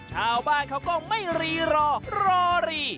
ชาวบ้านเขาก็ไม่รีรอรอรี